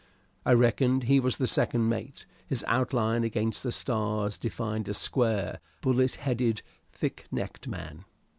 I reckoned he was the second mate; his outline against the stars defined a square, bullet headed, thick necked man.